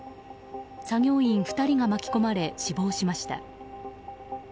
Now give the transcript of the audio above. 作業員２人が巻き込まれ死亡しました。